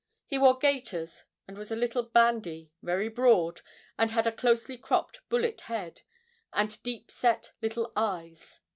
He wore gaiters, and was a little bandy, very broad, and had a closely cropped bullet head, and deep set little eyes.